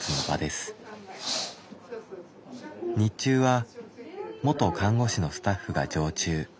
日中は元看護師のスタッフが常駐。